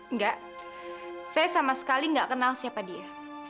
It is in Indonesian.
enggak saya sama sekali nggak kenal siapa dia